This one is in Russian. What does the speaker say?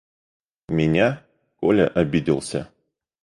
– Меня? – Коля обиделся.